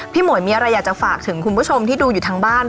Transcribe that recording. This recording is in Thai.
หมวยมีอะไรอยากจะฝากถึงคุณผู้ชมที่ดูอยู่ทางบ้าน